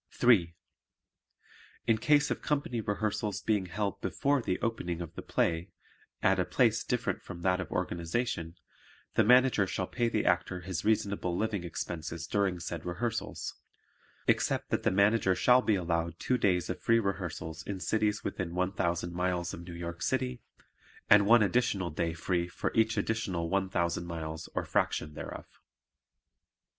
3. In case of company rehearsals being held before the opening of the play at a place different from that of organization, the Manager shall pay the Actor his reasonable living expenses during said rehearsals, except that the Manager shall be allowed two days of free rehearsals in cities within one thousand miles of New York City and one additional day free for each additional one thousand miles or fraction thereof.